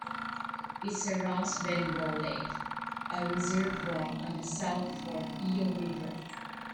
It surrounds Benbow Lake, a reservoir on the South Fork Eel River.